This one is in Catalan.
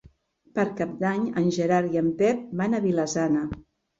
Per Cap d'Any en Gerard i en Pep van a Vila-sana.